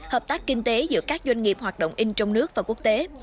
hợp tác kinh tế giữa các doanh nghiệp hoạt động in trong nước và quốc tế